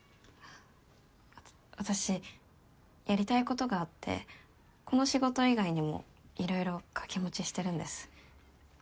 私やりたいことがあってこの仕事以外にもいろいろ掛け持ちしてるんです。